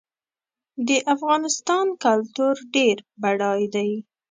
د افغانستان کلتور ډېر بډای دی.